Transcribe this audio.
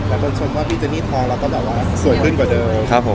การผลชมว่าีเจนี่ทรเราต้องแบบว่าสวยขึ้นกว่าเดิม